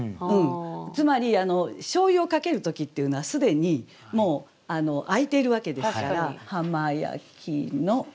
つまり醤油をかける時っていうのは既にもう開いているわけですから「浜焼きの浅蜊」。